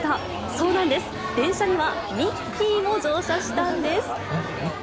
そうなんです、電車にはミッキーも乗車したんです。